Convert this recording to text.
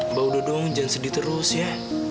mbak udah dong jangan sedih terus ya